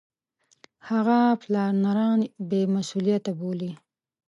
هغه پلانران بې مسولیته بولي.